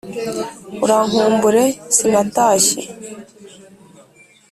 Urankumbure sinatashye,